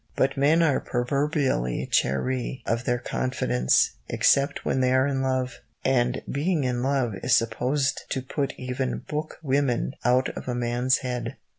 But men are proverbially chary of their confidence, except when they are in love, and being in love is supposed to put even book women out of a man's head.